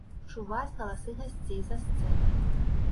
Чуваць галасы гасцей за сцэнай.